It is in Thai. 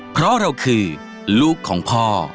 เพราะเราคือลูกของพ่อ